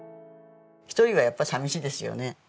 １人はやっぱさみしいですよね。